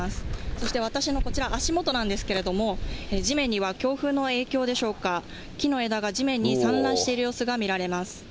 そして私のこちら、足元なんですけれども、地面には強風の影響でしょうか、木の枝が地面に散乱している様子が見られます。